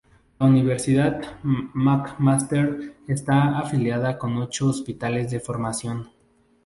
La Universidad McMaster está afiliada con ocho hospitales de formación.